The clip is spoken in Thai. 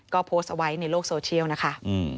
ก็โพสต์เอาไว้ในโลกโซเชียลนะคะ